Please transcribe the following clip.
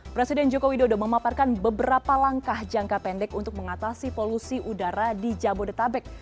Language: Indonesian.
presiden joko widodo memaparkan beberapa langkah jangka pendek untuk mengatasi polusi udara di jabodetabek